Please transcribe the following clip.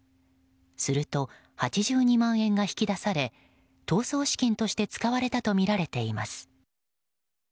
すると、８２万円が引き出され逃走資金として使われたとみられています。